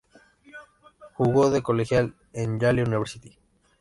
Jugo de colegial en Yale University.